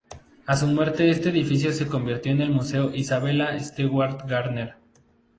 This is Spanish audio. A su muerte este edificio se convirtió en el Museo Isabella Stewart Gardner.